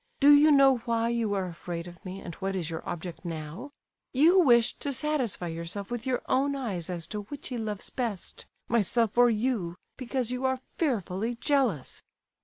Do you know why you are afraid of me, and what is your object now? You wished to satisfy yourself with your own eyes as to which he loves best, myself or you, because you are fearfully jealous."